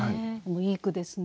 いい句ですね。